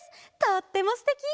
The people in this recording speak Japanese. とってもすてき！